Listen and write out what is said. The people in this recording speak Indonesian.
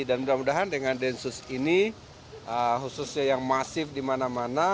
dan mudah mudahan dengan densus ini khususnya yang masif di mana mana